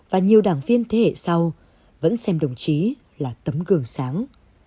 và nhiều đảng viên thế hệ sau vẫn xem đồng chí là tấm gương sáng